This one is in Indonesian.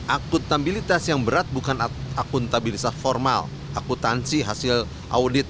akuntabilitas yang berat bukan akuntabilitas formal akutansi hasil audit